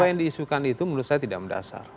apa yang diisukan itu menurut saya tidak mendasar